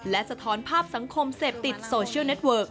และสะท้อนภาพสังคมเสพติดโซเชียลเน็ตเวิร์ก